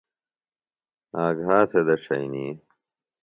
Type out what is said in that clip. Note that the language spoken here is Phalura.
آگھا تھےۡ دڇھئنی۔